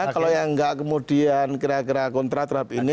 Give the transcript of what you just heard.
kalau yang nggak kemudian kira kira kontra terhadap ini